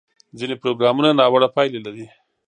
ځینې پروګرامونه ناوړه پایلې لري.